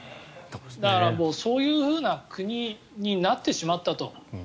だから、そういうふうな国になってしまったと。